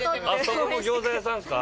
そこも餃子屋さんですか？